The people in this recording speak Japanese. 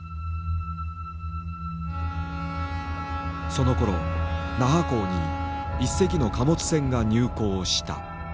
そのころ那覇港に一隻の貨物船が入港した。